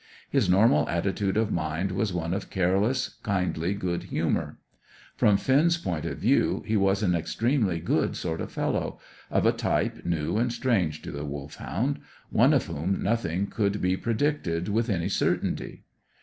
His normal attitude of mind was one of careless, kindly good humour. From Finn's point of view, he was an extremely good sort of fellow, of a type new and strange to the Wolfhound; one of whom nothing could be predicted with any certainty.